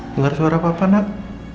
dengar suara papa nak